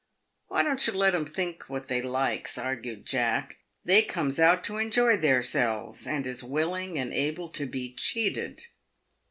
" Why don't you let 'em think what they likes ?" argued Jack. " They comes out to enjoy theirselves, and is willing and able to be cheated."